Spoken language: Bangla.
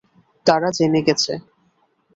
তারা জেনে গেছে।